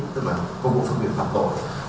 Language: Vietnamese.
tức là công cụ phương tiện phạm tội